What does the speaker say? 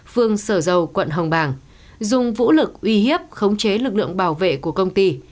phương sở dầu quận hồng bàng dùng vũ lực uy hiếp khống chế lực lượng bảo vệ của công ty